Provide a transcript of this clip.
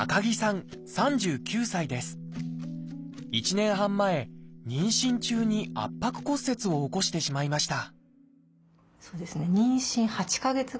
１年半前妊娠中に圧迫骨折を起こしてしまいました